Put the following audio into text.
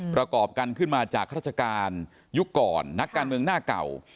ประกอบกันขึ้นมาจากราชการยุคก่อนนักการเมืองหน้าเก่า